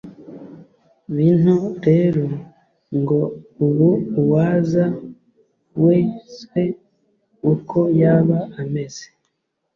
binto rero ngo ubu uwaza wesw uko yaba ameze